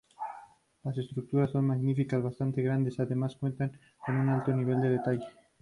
Las estatuas son magníficas, bastante grandes, además cuentan con un alto nivel de detalle.